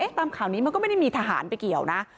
ตามข่าวนี้มันก็ไม่ได้มีทหารไปเกี่ยวนะ